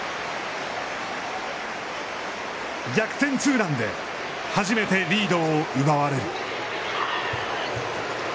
逆転ツーランで、初めてリードを奪われる。